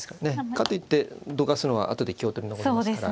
かといってどかすのはあとで香取り残りますから。